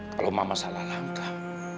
kalau mama salah langkah